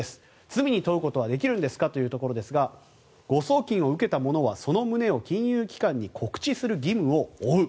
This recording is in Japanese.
罪に問うことはできるんですかというところですが誤送金を受けた者はその旨を金融機関に告知する義務を負う。